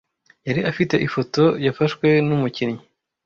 Yari afite ifoto yafashwe numukinnyi.